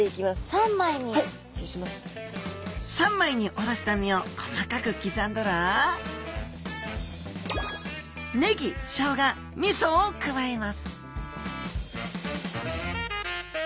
三枚におろした身を細かく刻んだらネギショウガ味噌を加えます